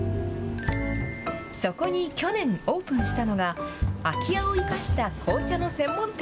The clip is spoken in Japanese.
そこに去年、オープンしたのが、空き家を生かした紅茶の専門店。